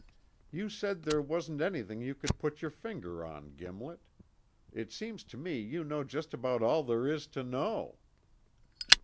"You said there wasn't anything you could put your finger on, Gimlet. It seems to me you know just about all there is to know."